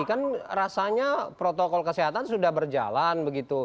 kan rasanya protokol kesehatan sudah berjalan